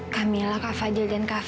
camila kak fadhil dan tripod